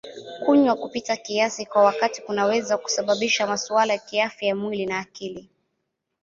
Kunywa kupita kiasi kwa wakati kunaweza kusababisha masuala ya kiafya ya mwili na akili.